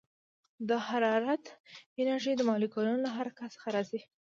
د حرارت انرژي د مالیکولونو له حرکت څخه راځي.